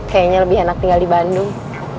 kayaknya lebih enak tinggal di bandung